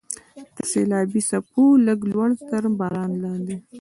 تر سیلابي څپو لږ لوړ، تر باران لاندې.